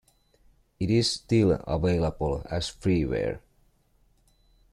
It is still available as freeware.